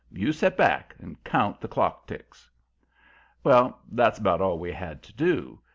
You set back and count the clock ticks." Well, that's 'bout all we had to do.